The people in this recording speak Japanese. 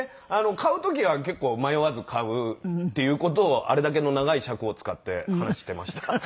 買う時は結構迷わず買うっていう事をあれだけの長い尺を使って話してました。